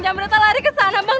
jambret tak lari ke sana bang